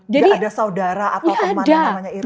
tidak ada saudara atau teman yang namanya irman